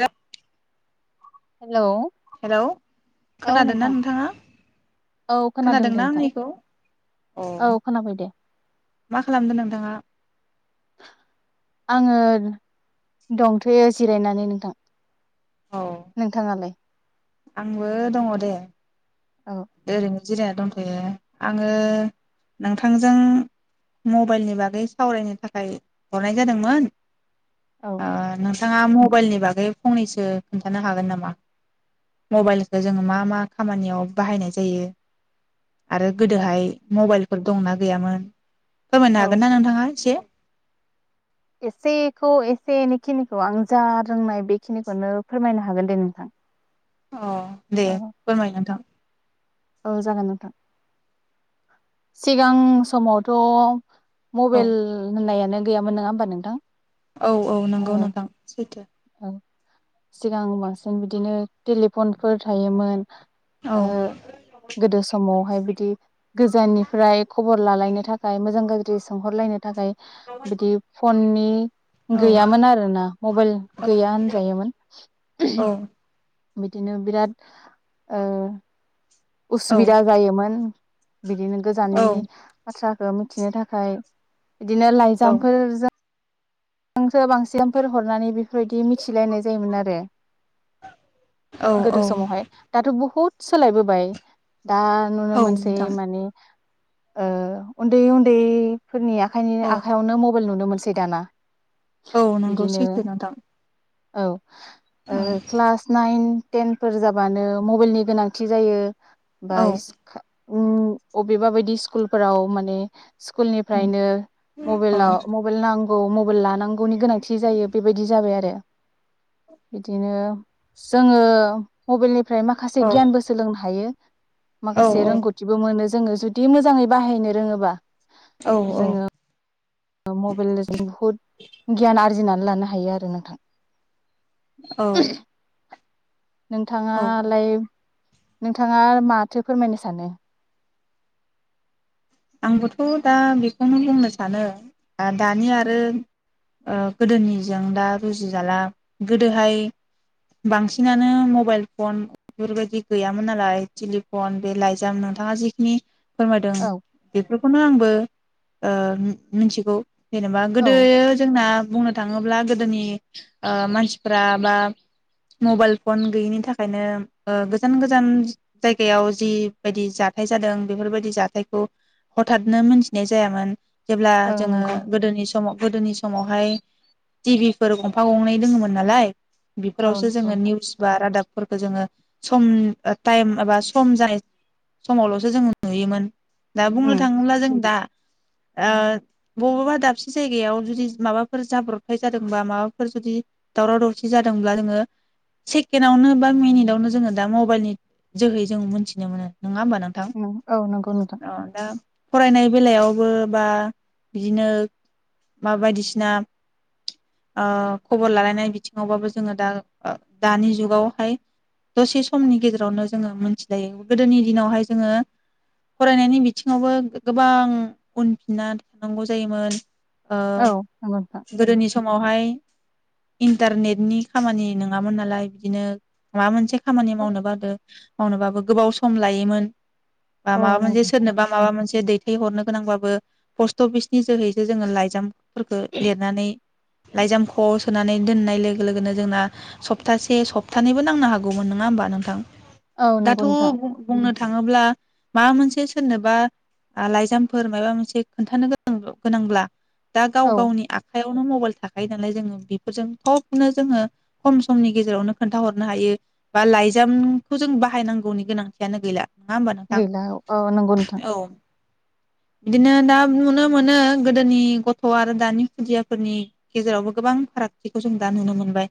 र hello [unintelligible] hello औ खोनादोंना नोंथां नोंथाङा औ खोनादों दे खोनादोंना नोंथां आंनिखौ अ औ खोनाबाय दे मा खालामदों नोंथाङा? आङो दंथोयो जिरायनानै नोंथां। औ नोंथाङालाय? आंबो दङ दे औ ओरैनो जिरायना दंथ'यो। आङो औ नोंथांजों मबाइलनि बागै सावरायनो थाखाय हरनाय जादोंमोन। आ नोंथाङा मबाइलनि बागै फंनैसो खोन्थानो हागोन नामा मबाइलखौ जोङो मा मा खामानियाव बाहायनाय जायो आरो गोदोहाय मबाइलफोर दंना गैयामोन फोरमायनो औ हागोन ना नोंथाङा एसे? एसेखौ एसे एनैखिनिखौ आं जा रोंनाय बेखिनिखौनो फोरमायनो हागोन दे नोंथां। अ दे औ फोरमाय नोंथां औ जागोन नोंथां सिगां समावथ' औ मबाइल होननायानो गैयामोन नङा होमबा नोंथां औ औ नंगौ नोंथां सैथो औ सिगां बांसिन बिदिनो टेलिफनफोर थायोमोन औ गोदो समाव बाय बिदि गोजाननिफ्राय खबर लालायनो थाखाय मोजां गाज्रि सोंहरलायनो थाखाय बिदि पननि औ गैयामोन आरोना मबाइल औ गैया होनजायोमोन औ बिदिनो बिराद उसुबिदा जायोमोन बिदिनो गोजाननि बाथ्रा मिथिनो थाखाय बिदिनो औ लाइजामफोरजों नोंसो बांसिनफोर हरनानै बेफोरबायदि मिथिलायनाय जायोमोन आरो औ गोदो समहाय दाथ' बहुत सोलायबोबाय दा नुनो औ मोनसै नोंथां माने ओ उन्दै उन्दै फोरनि आखाइनि औ आखयावनो मब मबेल नुनो मोनसै दाना औ नंगौ बिदिनो सैथो नोंथां औ आ औ क्लास नाइन टेनफोर जाबानो मबाइलनि गोनांथि जायो। औ बायस उ अबेबा बायदि स्कुलफोराव माने स्कुल औ निफ्रायनो औ मबेलाव मबेल नां औ औ लानांगौनि गोनांथि जायो बेबायदि जाबाय आरो जोङो मबेलनि ओमफ्राय माखासे गियानबो सोलोंनो हायो। औ माखासे रोंगौथिबो मोनो जोंङो जुदि मोजाङै बाहायनो रोङोबा औ औ जोङो मबाइलजों बुहुद गियान आरजिनानै लानो हायो आरो नोंथां औ औ नोंथाङालाय नोंथाङा माथो फोरमायनो सानो आंबोथ' दा बेखौनो बुंनो सानो दानि आरो गोदोनिजों दा रुजि जाला गोदोहाय बांसिनानो मबाइल फन बेफोरबायदि गैयामोन नालाय टेलिफन बे लाइजाम नोंथाङा जिखिनि फोरमायदों औ बेफोरखौनो आंबो मिथिगौ जेनेबा गोदो औ जोंना बुंनो थाङोब्ला गोदोनि ओ मानसिफ्रा बा मबाइल फन गैयैनि थाखायनो गोजान-गोजान जायगायाव जिबायायदि जाथाय जादों बेफोरबायदि जाथाय खौ हथातनो मोनथिनाय जायामोन। जेब्ला ओं जोंङो नंगौ गोदोनि समाव गोदोनि समावहाय टिभिफोर गंफा गंनै दोंङोममोन नालाय औ बेफोरावसो नंगौ जोंङो नोंथां निउस बा रादाब फोरखो जोंङो सम टाइम एबा सम जानाय समावल'सो जोंङो नुयोमोन। दा बुंनो उम थाङोब्ला जों दा ओ बबावबा दाबसे जायगायाव जुदि माबाफोर जाब्रबथाय जादोंबा माबाफोर जुदि दावराव दावसि जादोंब्ला जोंङो सेकेणडावनो बा मिनिटावनो जोंङो दा मबाइलनि जोहै जों मोनथिनो मोनो। नङा होमबा नोंथां औ नंगौ नोंथां दा फरायनाय बेलायावबो बा बिदिनो मा बायदिसिना ओ खबर लालायनाय बिथिङावबाबो जोंङो दा दानि जुगावहाय दसे समनि गेजेरावनो जोंङो मोनथिलायो गोदोनि दिनावहाय जोंङो फरायनायनि बिथिङावबो गोबां उनफिनना थानांगौ जायोमोन। ओ औ नंगौ नोंथां गोदोनि स मावहाय इन्टारनेटनि खामानि नङामोन नालाय बिदिनो माबा मोनसे खामानि मावनो बादो मावनोबाबो गोबाव सम लायोमोन। बा औ मा बा मोनसे नंगौ नोंथां सोरनोबा माबा मोनसे दै थाय हरनो गोनांब्लाबो पस्ट अफिसनि जोहैसो जोंङो लाइजाम फोरखो लिरनानै लाइजाम ख सोनानै दोननाय लोगो-लोगोनो जोंना सप्तासे सप्तानैबो नांनो हागौमोन नङा होमबा नोंथां औ नंगौ दाथ' नोंथां बुंनो थाङोब्ला माबा मोनसे से सोरनोबा लाइजामफोर माबा मोनसे खोन्थानो गां गोनांब्ला दा गाव औ गावनि आखाइयावनो मबाइल थाख थाखायो नालाय जोङो बेफोरजों थबनो जोङो खम समनि गेजेरावनो खोन्थाहरनो हायो बा लाइजामखौ जों बाहायनांगौनि गोनांथियानो गैला नङा होमबा नोंथां गैला औ नंगौ नोंथां औ बिदिनो दा नुनो मोनो गोदोनि गथ' आरो दानि खुदियाफोरनि गेजेरावबो गोबां फारागथिखौ जों दा नुनो मोनबाय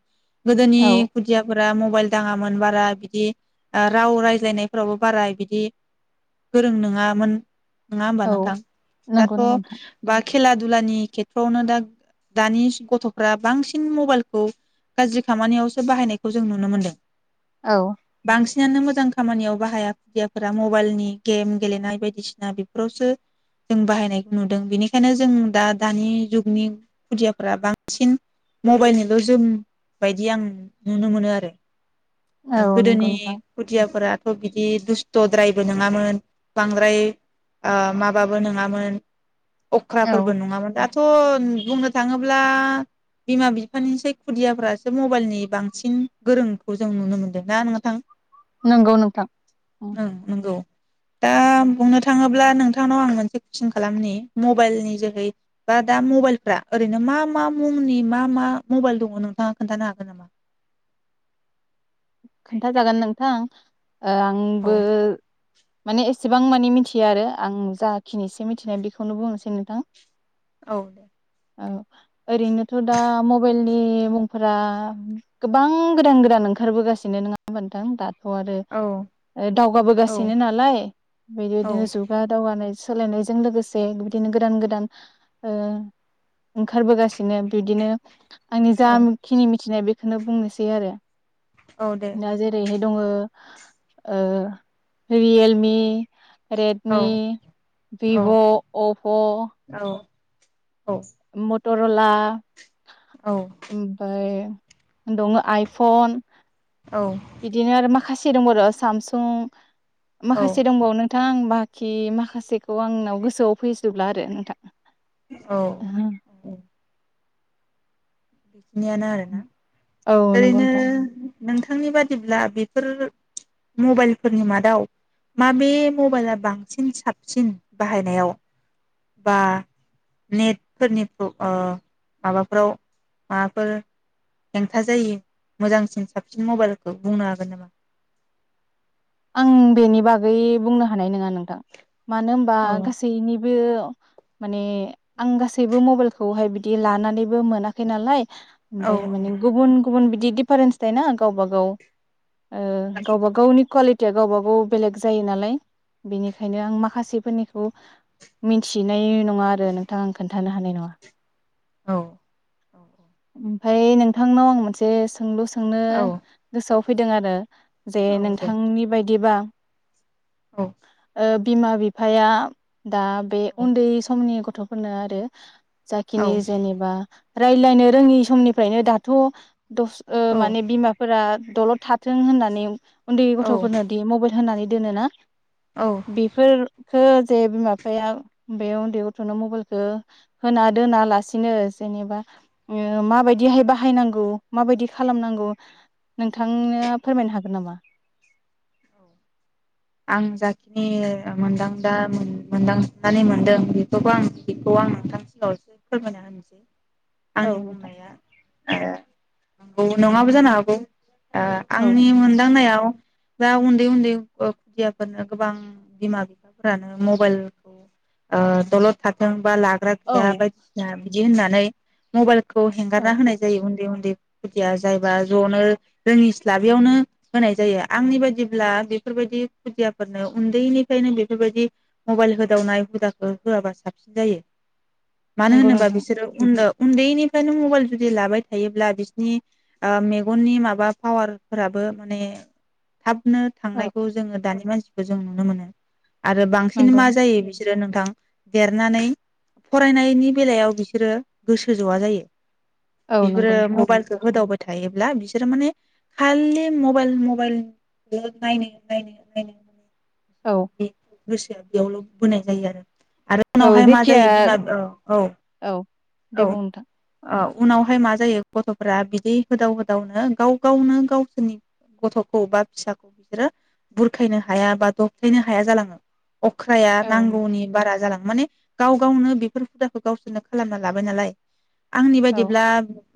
गोदोनि औ खुदियाफोरा मबाइल दाङामोन बारा बिदि ओ राव रायज्लायनायफोरावबो बारा बिदि गोरों नोङामोन नङा होमबा औ नोंथां नंगौ नंगौ दाथ' नोंथां बाखि खेला दुलानि खेथ्र'आवनो दा दानि गथ'फ्रा बांसिन मबाइलखौ गाज्रि खामानियावसो बाहायनायखौ जों नुनो मोनदों औ सिनानो मोजां खामानियाव बाहाया खुदियाफोरा मबाइलनि गेम गेलेनाय बायदिसिना बेफोरावसो जों बाहायनायखौ नुदों बेनिखायनो जों दा दानि जुगनि खुदियाफोरा बांसिन मबाइलनिल' जोमबायायदि आं नुनो मोनो आरो औ नंगौ गोदोनि नोंथां खुथियाफोरा थ' बिदि दुस्थ'द्रायबो नङामोन बांद्राय ओ माबाबो नोङामोन औ अख्राफोरबो नङामोन दा थ' बुंनो थाङोब्ला बिमा बिफानिसै खुदियाफ्रासो मबाइलनि बांसिन गोरोंखौ जों नुनो मोनदों दा नोंथां नंगौ नोंथां ओं नंगौ दा बुंनो थाङोब्ला नोंथांनाव आं मोनसे कुइसन खालामनि मबाइलनि जोहै बा दा मबाइलफ्रा ओरैनो मा मा मुंनि मा मा मबाइल दङ नोंथाङा खोन्थानो हागोन नामा? खोन्था जागोन नोंथां ओ औ आंबो माने एसेबां मानि मिथियो आरो आं जाखिनिसे मिथिनाय बेखौनो बुंनोसै नोंथां औ दे औ ओरैनोथ' दा मबाइलनि मुंफोरा गोबां गोदान गोदान ओंखारबोगासि सिनो नङा नोंङा होमबा नोंथां दा थ' आरो औ ओ औ दावगाबोगासिनो नालाय बेदिबायदिनो जुगा दावगानाय सोलायनायजों लोगोसे बिदिनो गोदान गोदान ओ ओंखारबोगासिनो बिबदिनो आंनि औ जाखिनि मिथिनाय बेख बेखौनो बुंनोसै आरो औ दे दा नोंथां जेरैहाय दङ ओ रियेलमि औ रेडमि, भिभ', अप' औ मटर'ला औ ओमफ्राय दङो आइफन औ बिदिनो आरो माखा खासि दंब र' सामसुं माखासे दंबावो नोंथां आं मा खि माखासेखौ आंनाव गोसोआव फैजोबला आरो नोंथां औ औ बिनियानो आरोना औ नंगौ ओरैनो नोंथां नोंथांनि बादिब्ला बेफोर मबाइलफोरनि मादाव माबे मबाइला बांसिन साबसिन बाहायनायाव बा नेटफोरनि ओ माबाफ्राव माबाफोर हेंथा जायो मोजांसिन साबसिन मबाइलखौ बुंनो हागोन नामा? आं बेनि बागै बुंनो हानाय नङा नोंथां थां मानो होनबा औ गासैनिबो बे माने आं गासैबो मबाइलखौहाय बिदि लानानैबो मोनाखै नालाय औ ओमफ्राय माने गुबुन गुबुन बिदि दिफारेन्स थायो ना गावबा गाव [unintelligible] या गावबा गाव बेलेग जायो नालाय बेनिखायनो आं माखासे फोरनिखौ मिथिनाय उम नङा आरो नोंथांं आं खोन्था खिथानो हानाय नङा। औ औ औ ओमफ्राय नोंथांनाव आं मोनसे सों सोंलु सोंनो औ गोसोआव फैदों आरो जे औ औ दे नोंथांनि बायदि दिबा औ ओ बिमा बिफाया दा बे औ उन्दै समनि गथ' गथ'फोरनो आरो औ जाखिनि जेनेबा रायलायनो रोङि समनिफ्रायनो दाथ' दस औ माने बिमाफोरा दलद थाथों होननानै उन्दै औ गथ'फोरनो दि मबाइल होननानै दोनो ना? औ बेफोर जे बिमा बिफाया बे उन्दै गथ'नो मबाइलखो होना दोना लासिनो जेनेबा ओ माबायदिहाय बाहायनांगौ माबायदि खालामनांगौ नोंथांनो फोरमायनो हागोन नामा? औ। आं जाखिनि मोनदांदा मोनदांनानै मोनदों बेखौबो आं बेखौ आं [unintelligible] फोरमायना होनोसै। औ आंनि नोंथां। बुंनाया ओ नङाबो जानो हागौ। ओ- औ आंनि मोनदांनायाव औ दा उन्दै उन्दै खुदियाफोरनो गोबां बिमा बिफाफोरानो मबाइल ओ-दलद थाथों, बा लाग्रा गैया औ बायदिसिना बिदि होननानै मबाइल खौ हेंगारना होनाय जायो उन्दै उन्दै खुदिया जायबा ज'नो रोङिस्लाबियावनो होनाय जायो। आंनि बायदि ब्ला बेफोरबायदि खुदियाफोरनो उन्दैनिफ्रायनो बेफोरबायदि मबाइल होदावनाय हुदाखौ होआबा साबसिन जायो। मानो नंगौ होनोबा नोंथां बिसोरो उनाव उन्दैनिफ्रायनो मबाइल जुदि लाबाय थायोब्ला बिसिनि ओ-मेगननि माबा पावारफोराबो माने थाब औ थांनायखौ जोङो दानि मानसि‌ जों नुनो मोनो‌। आरो बांसिन नंगौ मा जायो बिसोरो नोंथां देरनानै फरायनायनि बेलायाव बिसोरो गोसो जआ जायो। औ बिफोरो नंगौ नोंथां मबाइलखौ होदावब थायोब्ला बिसोरो माने खालि मबाइल मबाइल नायनो नायनो नायनो औ बि गोसोआ बेयावल' बोनाय जायो आरो। आरो औ उनावहाय मा जेथिया जायो बिमा औ औ औ दे औ बुं नोंथां औ उनावहाय मा जायो गथ'फोरा बिदि होदाव होदावनो गाव गावनो गावसोरनि गथ'खौ बा फिसाखौ बिसोरो बुरखायनो हाया बा दबथायनो हाया जालाङो। अख्राया औ नांगौनि बारा जालांङो। माने गाव गावनो बेफोर हुदाखौ गावसोरनो खालामनानै लाबाय नालाय आंनि औ बायदिब्ला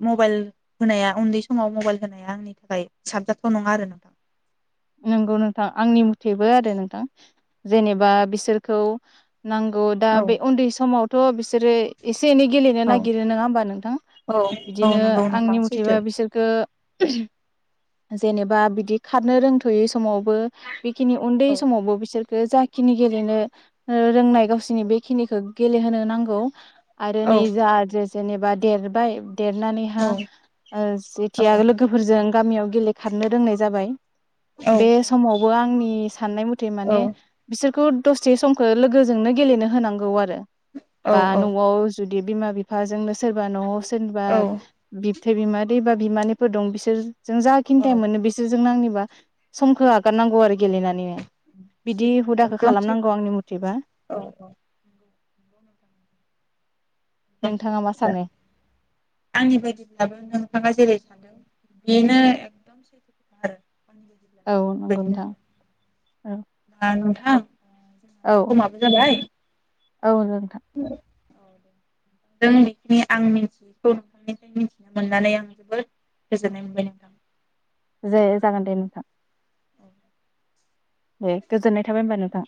मबाइल होनाया उन्दै समाव मबाइल होनाया आंनि थाखाय साबजाथाव नङा आरोना। नंगौ नोंथां आंनि मुथेबो आरो नोंथां। जेनेबा बिसोरखौ नांगौ दा औ बे उन्दै समाव थ' बिसोरो एसे एनै गेलेनो औ नागिरो नंङा होमबा नोंथां औ औ बिदिनो नंगौ नोंथां आंनि मथेबा सैथो बिसोरखो जेनेबा बिदि खारनो रोंथों थयै समावबो बेखिनि उन्दै औ समावबो बिसोर जाखिनि गेलेनो रोंनाय गावसिरनि बेखिनिखौ गेलेहोनो नांगौ आरो औ निजा आरो जेनेबा देरबाय औ देरनानैहा ओ जेथिया औ लोगोफोरजों गामियाव गेले खारनो रोंनाय जाबाय। औ बे समावबो आंनि साननाय मथे माने बिसोरखौ दसे समखौ लोगोजोंनो गेलेनो होनांगौ आरो‌ औ बा नआव जुदि बिमा बिफाजोंनो सोरबा न'आव सोरनिबा औ बि बिबथै बिमादै बा बिमानैफोर दं बिसोर जों जा खिनि थायम औ मोनो बिसोर जों नांनोबा समखो आगारनांगौ आरोखि। गेलेनानैनो बिदि सैथो हुदाखौ एकदम खालामनांगौ सैथो आंनि मथेबा। औ औ नोंथाङा मा [unintelligible] सा सानो आंनि बायदिब्लाबो नोंथाङा जेरै औ नंगौ बेनो नोंथां औ [unintelligible] [unintelligible] औ समाबो जाबाय औ नोंथां [unintelligible] दे जागोन दे नोंथां। औ दे गोजोननाय थाबाय होमबा नोंथां।